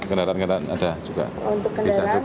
untuk kendaraan tampung berapa pak